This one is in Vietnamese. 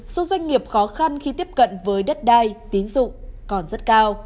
số doanh nghiệp khó khăn khi tiếp cận với đất đai tín dụng còn rất cao